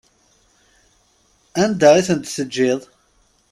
Anda i tent-teǧǧiḍ?